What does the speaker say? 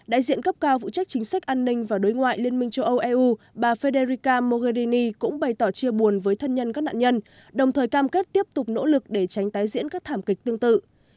đại diện cấp cao vụ trách chính sách an ninh và đối ngoại liên minh châu âu eu bà federica mogherini cũng bày tỏ chia buồn với thân nhân các nạn nhân đồng thời cam kết tiếp tục nỗ lực để tránh tái diễn các thảm kịch tương tự